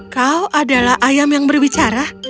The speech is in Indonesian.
kau adalah ayam yang berbicara